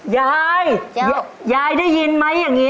ยายยายได้ยินไหมอย่างนี้